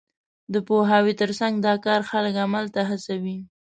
د پوهاوي تر څنګ، دا کار خلک عمل ته هڅوي.